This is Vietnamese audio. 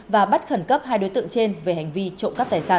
và bắt khẩn cấp hai đối tượng trên về hành vi trộm cắp tài sản